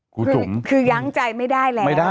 คือย้างใจไม่ได้แล้ว